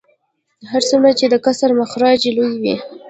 هر څومره چې د کسر مخرج لوی وي